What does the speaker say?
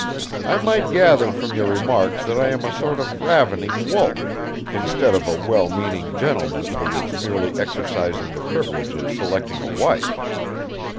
I might gather from your remarks that I am a sort of ravening wolf, instead of a well meaning gentleman who is merely exercising the privilege of selecting a wife.